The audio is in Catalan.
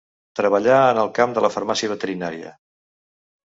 Treballà en el camp de la farmàcia veterinària.